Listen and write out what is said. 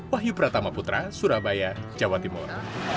wahyu pratama putra surabaya jawa timur